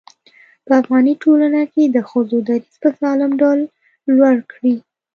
په افغاني ټولنه کې د ښځو دريځ په سالم ډول لوړ کړي.